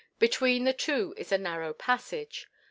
Between the two is a narrow passage.